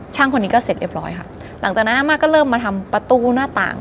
คนนี้ก็เสร็จเรียบร้อยค่ะหลังจากนั้นอาม่าก็เริ่มมาทำประตูหน้าต่าง